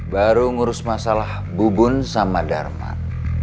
baru ngurus masalah bubun sama darman